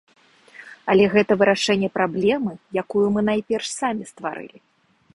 Але гэта вырашэнне праблемы, якую мы найперш самі стварылі.